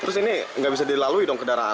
terus ini nggak bisa dilalui dong kendaraan